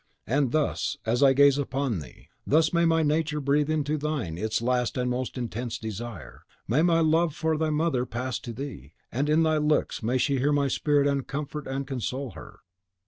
And thus, as I gaze upon thee, thus may my nature breathe into thine its last and most intense desire; may my love for thy mother pass to thee, and in thy looks may she hear my spirit comfort and console her.